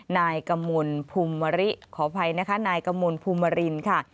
นายกมลภูมิมริขออภัยนะคะนายกมลภูมิรินค่ะ